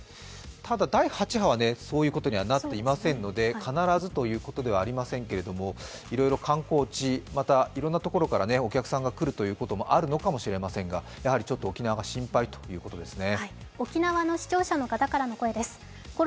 ただ、第８波はそういうことにはなっていませんので、必ずということではありませんが観光地、いろんなところからお客さんが来るということもあるかもしれませんがやはり沖縄が心配ということですね。